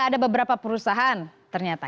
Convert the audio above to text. ada beberapa perusahaan ternyata